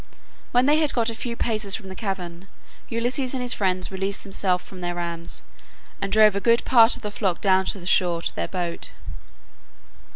When they had got a few paces from the cavern, Ulysses and his friends released themselves from their rams, and drove a good part of the flock down to the shore to their boat.